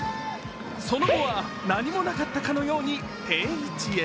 その後は何もなかったかのように定位置へ。